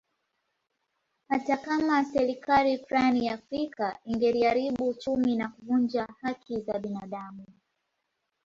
Hata kama serikali fulani ya Afrika ingeliharibu uchumi na kuvunja haki za binadamu